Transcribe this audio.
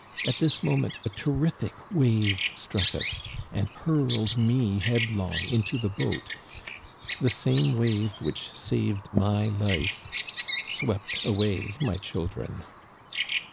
At this moment a terrific wave struck us, and hurled mç headlong into the boat. The same wave which saved my life swept away my children."